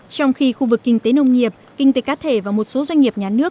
trong khi khu vực kinh tế nông nghiệp kinh tế cá thể và một số doanh nghiệp nhà nước